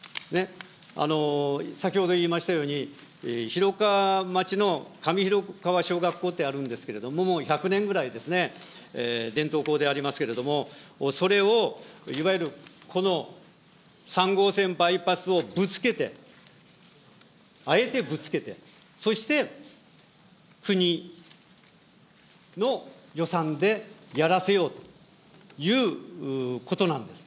先ほど言いましたように、広川町の上広川小学校ってあるんですけれども、もう１００年ぐらいですね、伝統校でありますけれども、それをいわゆるこの３号線バイパスをぶつけて、あえてぶつけて、そして、国の予算でやらせようということなんです。